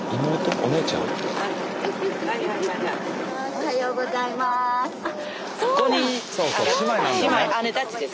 おはようございます。